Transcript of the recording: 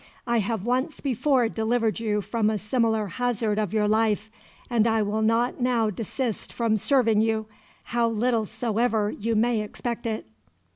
I have once before delivered you from a similar hazard of your life; and I will not now desist from serving you, how little soever you may expect it."